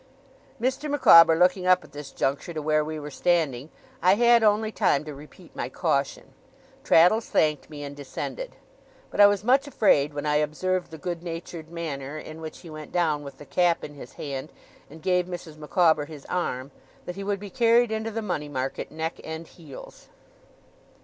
Mr. Micawber looking up at this juncture to where we were standing, I had only time to repeat my caution. Traddles thanked me, and descended. But I was much afraid, when I observed the good natured manner in which he went down with the cap in his hand, and gave Mrs. Micawber his arm, that he would be carried into the Money Market neck and heels.